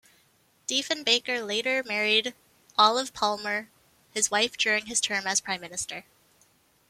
Diefenbaker later married Olive Palmer, his wife during his term as Prime Minister.